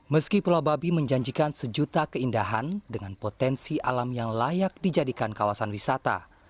meski pulau babi menjanjikan sejuta keindahan dengan potensi alam yang layak dijadikan kawasan wisata